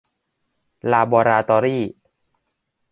ลาบอราตอรี่